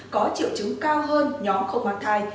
có triệu chứng cao hơn nhóm không mang thai